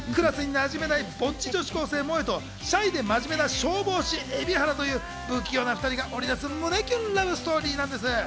映画はクラスに馴染めないボッチ女子高生・萌衣と、シャイで真面目な消防士・蛯原という不器用な２人が織りなす胸キュンラブストーリーでございます。